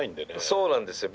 そうなんですよ